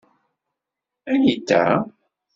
Anita?